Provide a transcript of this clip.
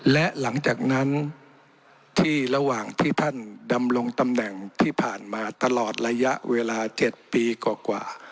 และหลังจากนั้นที่ระหว่างที่ท่านดำรงตำแหน่งที่ผ่านมาตลอดระยะเวลา๗ปีกว่า